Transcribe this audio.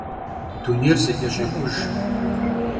Dunêyr zeç'eş'êxujj.